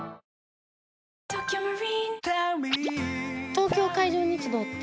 東京海上日動って？